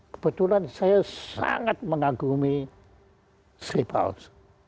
kebetulan saya sangat mengagumi skapause